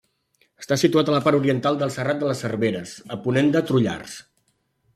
Està situat a la part oriental del Serrat de les Serveres, a ponent de Trullars.